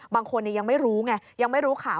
บางคนยังไม่รู้ไงยังไม่รู้ข่าว